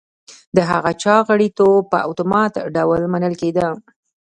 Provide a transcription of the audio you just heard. د هغه چا غړیتوب په اتومات ډول منل کېده.